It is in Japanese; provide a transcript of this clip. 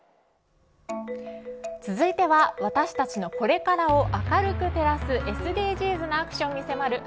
続いては、私たちのこれからを明るく照らすＳＤＧｓなアクションに迫る＃